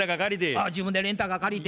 あっ自分でレンタカー借りて。